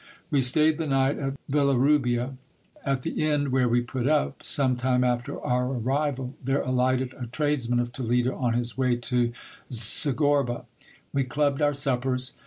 We stayed the night at Villarubia. At the inn where we put up, some time after our arrival, there alighted a trades man of Toledo on his way to Segorba. We clubbed our suppers.